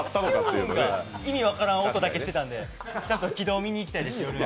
意味分からん音だけしてたんで、軌道見に行きたいですよね。